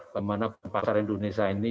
ke mana pasar indonesia ini